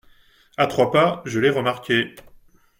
À trois pas ! je l’ai remarqué…